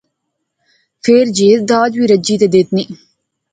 فیر جہیز داج وی رجی تے دیتنی